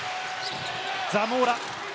ザモーラ。